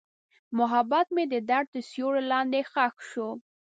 محبت مې د درد تر سیوري لاندې ښخ شو.